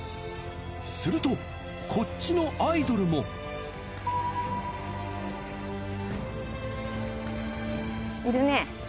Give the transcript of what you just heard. するとこっちのアイドルも。いる？